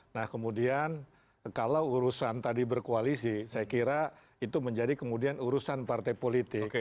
nah kemudian kalau urusan tadi berkoalisi saya kira itu menjadi kemudian urusan partai politik